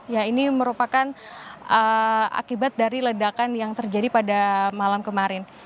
ya ini merupakan akibat dari ledakan yang terjadi pada malam kemarin